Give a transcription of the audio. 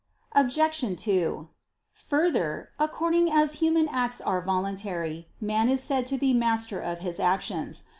Obj. 2: Further, according as human acts are voluntary, man is said to be master of his actions.